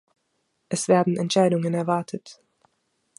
Es werden Entscheidungen erwartet.